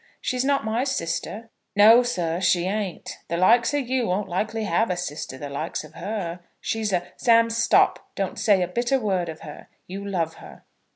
She's not my sister !" "No, sir, she ain't. The likes of you won't likely have a sister the likes of her. She's a " "Sam, stop. Don't say a bitter word of her. You love her."